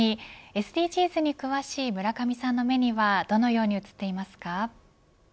ＳＤＧｓに詳しい村上さんの目にはどのように映っていますか。